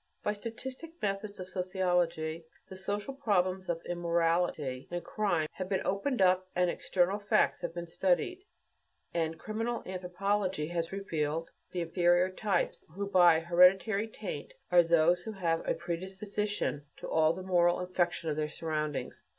By statistic methods of sociology the social problems of immorality and crime have been opened up, and external facts have been studied; and criminal anthropology has revealed the "inferior types" who by hereditary taint are those who have a predisposition to all the moral infection of their surroundings.